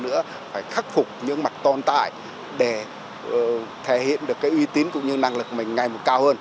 và một lần nữa phải khắc phục những mặt tồn tại để thể hiện được cái uy tín cũng như năng lực mình ngay một cao hơn